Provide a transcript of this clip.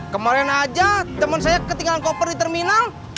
kemarin aja teman saya ketinggalan koper di terminal